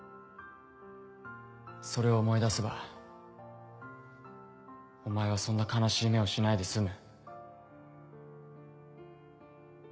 それを思い出せばお前はそんな悲しい目をしないで済む。